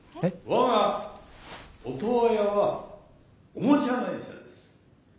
我がオトワヤはおもちゃ会社です。